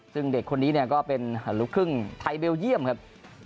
ซึ่งเด็กคนนี้เนี่ยก็เป็นลูกครึ่งไทยเบลเยี่ยมครับ